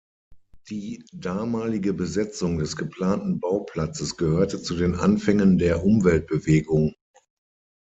Die damalige Besetzung des geplanten Bauplatzes gehörte zu den Anfängen der Umweltbewegung.